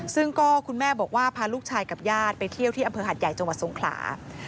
ซึ่งก็คุณแม่บอกว่าพาลูกชายกับญาติไปเที่ยวที่อำเภอหัดใหญ่จังหวัดสงขลา